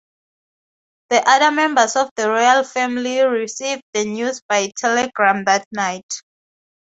The other members of the royal family received the news by telegram that night.